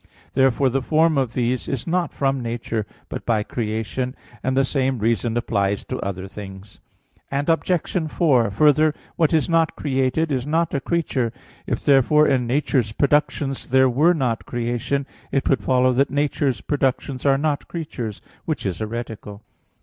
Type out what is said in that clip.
Therefore the form of these is not from nature, but by creation; and the same reason applies to other things. Obj. 4: Further, what is not created, is not a creature. If therefore in nature's productions there were not creation, it would follow that nature's productions are not creatures; which is heretical.